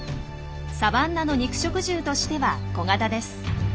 サバンナの肉食獣としては小型です。